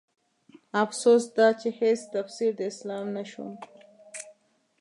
افسوس دا چې هيڅ تفسير د اسلام نه شوم